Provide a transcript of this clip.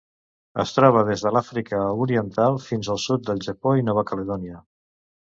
Es troba des de l'Àfrica Oriental fins al sud del Japó i Nova Caledònia.